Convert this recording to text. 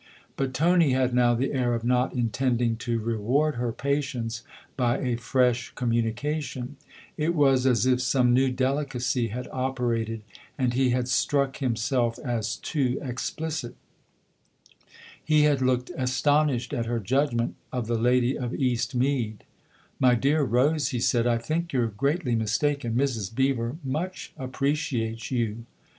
But Tony had now the air of not intending to reward her patience by a fresh communication ; it was as if some new delicacy had operated and he had struck himself as too explicit. He had looked astonished at her judgment of the lady of Eastmead. 78 THE OTHER HOUSE " My dear Rose/' he said, " I think you're greatly mistaken. Mrs. Beever much appreciates you."